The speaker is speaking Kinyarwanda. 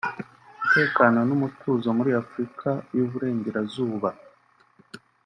umutekano n’umutuzo muri Afrika y’Uburengerazuba